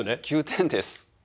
９点です。